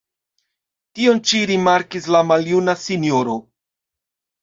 Tion ĉi rimarkis la maljuna sinjoro.